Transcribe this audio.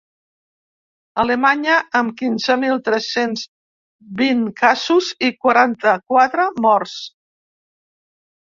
Alemanya, amb quinze mil tres-cents vint casos i quaranta-quatre morts.